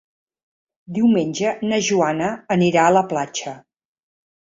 Diumenge na Joana anirà a la platja.